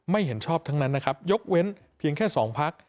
เห็นชอบทั้งนั้นนะครับยกเว้นเพียงแค่๒พัก